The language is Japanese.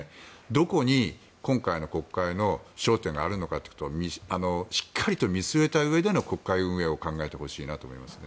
どこに今回の国会の焦点があるのかということをしっかりと見据えたうえでの国会運営を考えてほしいと思いますね。